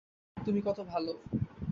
তুমি কত ভালো।